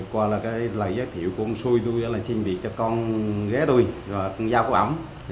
qua lời giới thiệu của ông xui tôi là xin việc cho con ghé tôi và con giao của ổng